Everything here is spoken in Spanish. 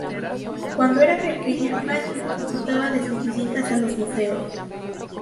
Cuando era pequeña, Matthews disfrutaba de sus visitas a los museos.